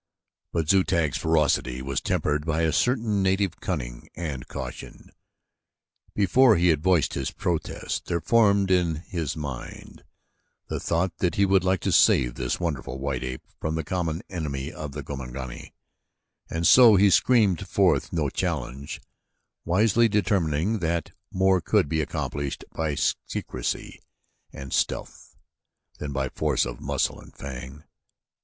But Zu tag's ferocity was tempered by a certain native cunning and caution. Before he had voiced his protest there formed in his mind the thought that he would like to save this wonderful white ape from the common enemy, the Gomangani, and so he screamed forth no challenge, wisely determining that more could be accomplished by secrecy and stealth than by force of muscle and fang.